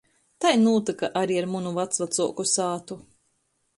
Tai nūtyka ari ar munu vacvacuoku sātu.